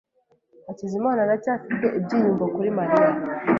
Hakizimana aracyafite ibyiyumvo kuri Mariya.